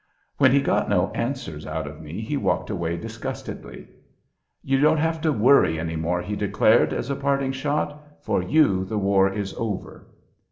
When he got no answers out of me he walked away disgustedly. "You don't have to worry any more," he declared, as a parting shot; "for you the war is over!"